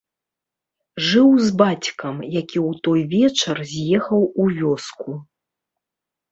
Жыў з бацькам, які ў той вечар з'ехаў у вёску.